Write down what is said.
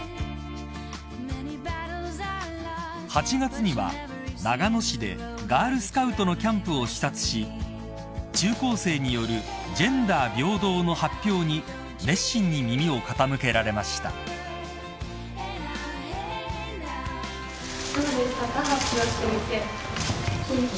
［８月には長野市でガールスカウトのキャンプを視察し中高生によるジェンダー平等の発表に熱心に耳を傾けられました］緊張。